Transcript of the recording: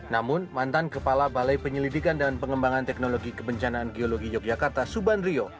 namun mantan kepala balai penyelidikan dan pengembangan teknologi kebencanaan geologi yogyakarta subandrio